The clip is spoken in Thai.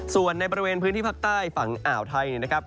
ส่วนในบริเวณพื้นที่ภาคใต้ฝั่งอ่าวไทยนะครับ